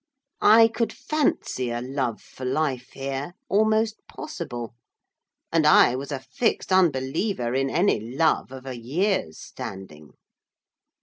I could fancy a love for life here almost possible; and I was a fixed unbeliever in any love of a year's standing.